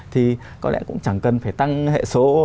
thì có lẽ cũng chẳng cần phải tăng hệ số